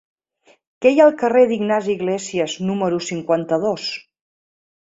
Què hi ha al carrer d'Ignasi Iglésias número cinquanta-dos?